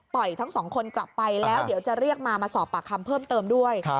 ทั้งสองคนกลับไปแล้วเดี๋ยวจะเรียกมามาสอบปากคำเพิ่มเติมด้วย